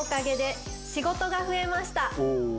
お！